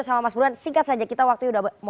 sama mas buruan singkat saja kita waktunya udah mau